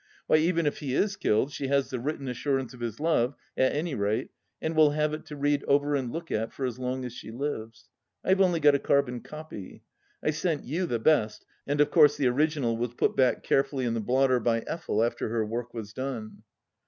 Why, even if he is killed, she has the written assurance of his love, at any rate, and will have it to read over and look at, for as long as she lives. I have only got a carbon copy. I sent you the best, and of course the original was put back carefully in the blotter by Effel after her work was done.